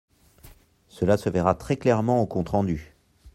Cela se verra très clairement au compte rendu.